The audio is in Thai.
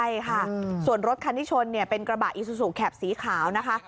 ใช่ค่ะส่วนรถคันที่ชนเนี่ยเป็นกระบะอีซูซูแคปสีขาวนะคะ